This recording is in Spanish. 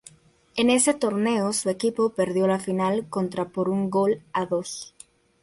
En ese torneo su equipo perdió la final contra por un gol a dos.